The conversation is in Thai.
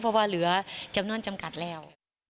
เพราะว่าเหลือเตี๊ยมนอนจำกัดแล้ว